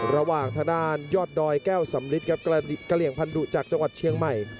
ระหว่างทางด้านยอดดอยแก้วสำลิดครับกระเหลี่ยงพันธุจากจังหวัดเชียงใหม่